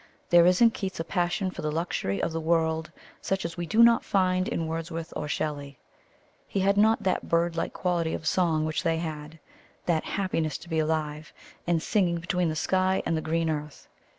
There is in Keats a passion for the luxury of the world such as we do not find in Wordsworth or Shelley. He had not that bird like quality of song which they had that happiness to be alive and singing between the sky and the green earth.